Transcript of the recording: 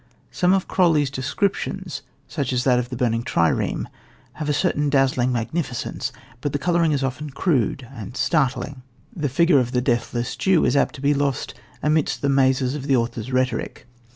Some of Croly's descriptions, such as that of the burning trireme, have a certain dazzling magnificence, but the colouring is often crude and startling. The figure of the deathless Jew is apt to be lost amid the mazes of the author's rhetoric.